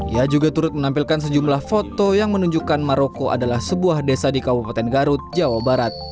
ia juga turut menampilkan sejumlah foto yang menunjukkan maroko adalah sebuah desa di kabupaten garut jawa barat